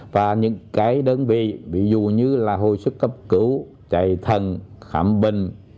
và những cái đơn vị ví dụ như là hồi sức cấp cứu chạy thần khảm bình